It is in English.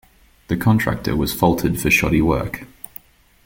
The contractor was faulted for shoddy work.